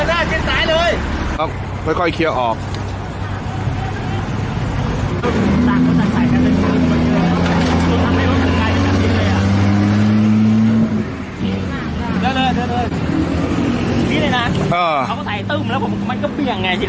นี่เลยนะอ่าเขาใส่ตึ้งแล้วผมมันก็เปลี่ยงไงจริง